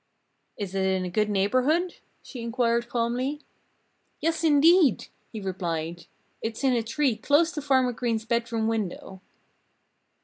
"Is it in a good neighborhood?" she inquired calmly. "Yes, indeed!" he replied. "It's in a tree close to Farmer Green's bedroom window."